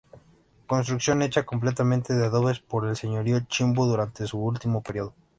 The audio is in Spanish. Construcción hecha completamente de adobes por el señorío Chimú, durante su último periodo.